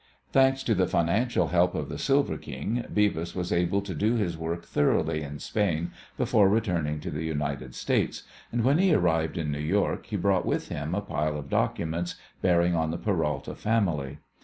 Thanks to the financial help of "The Silver King," Beavis was able to do his work thoroughly in Spain before returning to the United States, and when he arrived in New York he brought with him a pile of documents bearing on the Peralta family.